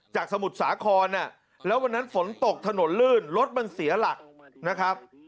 สมุทรสาครแล้ววันนั้นฝนตกถนนลื่นรถมันเสียหลักนะครับ